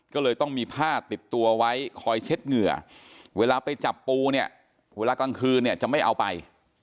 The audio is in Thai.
ก็เลยต้องมีผ้าติดตัวไว้คอยเช็ดเหงื่อเวลาไปจับปูเนี่ยเวลากลางคืนเนี่ยจะไม่เอาไป